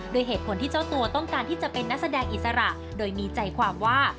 เหตุผลที่เจ้าตัวต้องการที่จะเป็นนักแสดงอิสระโดยมีใจความว่า